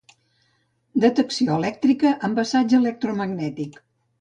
Detecció elèctrica amb assaig electromagnètic.